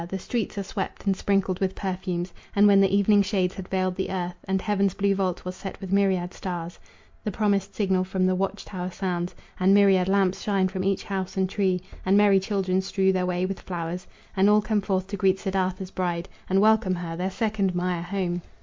The streets are swept and sprinkled with perfumes, And when the evening shades had veiled the earth, And heaven's blue vault was set with myriad stars, The promised signal from the watchtower sounds, And myriad lamps shine from each house and tree, And merry children strew their way with flowers, And all come forth to greet Siddartha's bride, And welcome her, their second Maya, home.